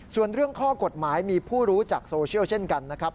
ส่วนเรื่องข้อกฎหมายมีผู้รู้จากโซเชียลเช่นกันนะครับ